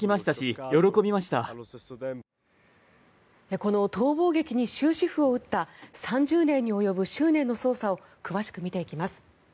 この逃亡劇に終止符を打った３０年に及ぶ執念の捜査を詳しく見ていきます。